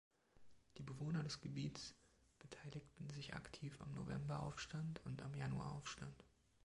Die Bewohner des Gebiets beteiligten sich aktiv am Novemberaufstand und am Januaraufstand.